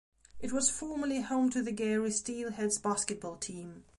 It was formerly home to the Gary Steelheads basketball team.